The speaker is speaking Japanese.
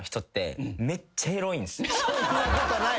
そんなことない。